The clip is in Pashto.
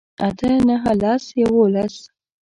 اتۀ نهه لس يوولس